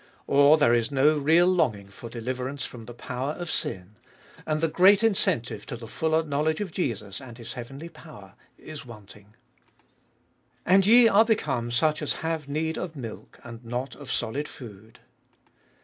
Or there is no real longing for deliverance from the power of sin, and the great incentive to the fuller knowledge of Jesus and His heavenly power is wanting. And ye are become such as have need of milk, and not of solid food.